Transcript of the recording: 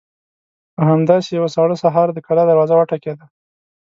په همداسې يوه ساړه سهار د کلا دروازه وټکېده.